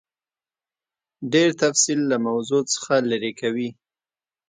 ډېر تفصیل له موضوع څخه لیرې کوي.